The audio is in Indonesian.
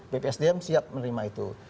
bpsdm siap menerima itu